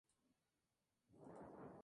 De seguir con vida, Clarence tendría de edad.